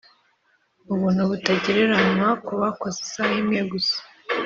ubuntu butagereranywa kubakoze isaha imwe gusa